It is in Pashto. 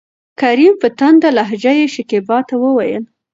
کريم : په تنده لهجه يې شکيبا ته وويل: